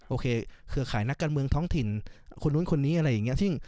เครือข่ายนักการเมืองท้องถิ่นคนนู้นคนนี้อะไรอย่างนี้